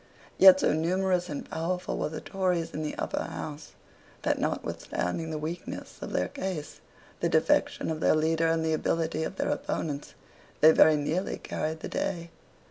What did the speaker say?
Yet so numerous and powerful were the Tories in the Upper House that, notwithstanding the weakness of their case, the defection of their leader, and the ability of their opponents, they very nearly carried the day.